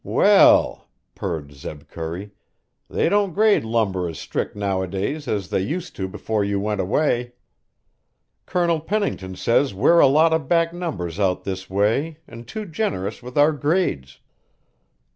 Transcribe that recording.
"Well," purred Zeb Curry, "they don't grade lumber as strict nowadays as they used to before you went away. Colonel Pennington says we're a lot o' back numbers out this way an' too generous with our grades.